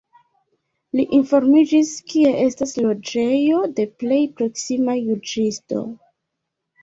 Li informiĝis, kie estas loĝejo de plej proksima juĝisto.